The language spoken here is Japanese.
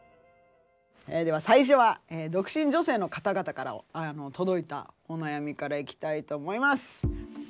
では最初は独身女性の方々から届いたお悩みからいきたいと思います。